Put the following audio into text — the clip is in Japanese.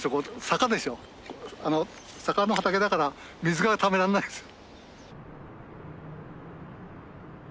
坂の畑だから水がためらんないんです。